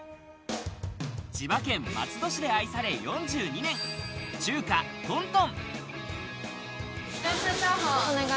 千葉県松戸市で愛され４２年、「中華東東」。